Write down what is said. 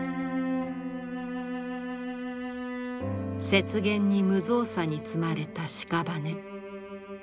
雪原に無造作に積まれたしかばね。